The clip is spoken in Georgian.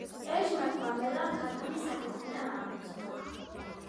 ეშმაკმა მელამ ქათამი საქათმიდან ააცოცა.